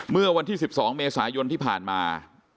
เมื่อวันที่๑๒เมษายนที่ผ่านมา